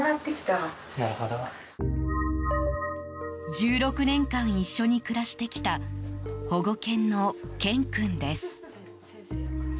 １６年間一緒に暮らしてきた保護犬のケン君です。